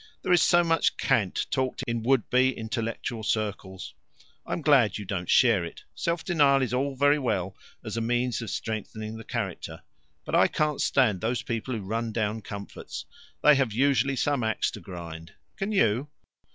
"There is so much cant talked in would be intellectual circles. I am glad you don't share it. Self denial is all very well as a means of strengthening the character. But I can't stand those people who run down comforts. They have usually some axe to grind. Can you?"